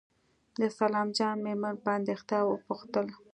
د سلام جان مېرمن په اندېښنه وپوښتل.